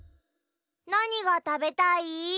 なにがたべたい？